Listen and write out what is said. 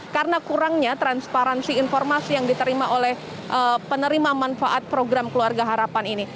karena kurangnya transparansi informasi yang diterima oleh penerima manfaat program keluarga harapan ini